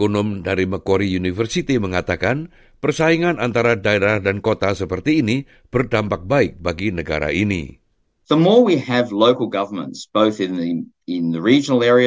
namun seiring bertambahnya populasi kita tidak akan berpikir pikir untuk berpindah ke melbourne